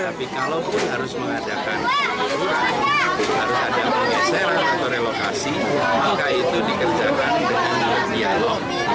tapi kalau harus mengadakan harus ada pergeseran atau relokasi maka itu dikerjakan dengan dialog